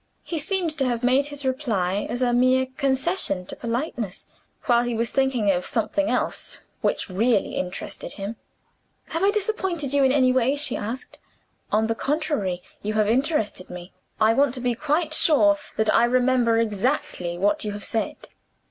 He seemed to have made his reply as a mere concession to politeness, while he was thinking of something else which really interested him. "Have I disappointed you in any way?" she asked. "On the contrary, you have interested me. I want to be quite sure that I remember exactly what you have said.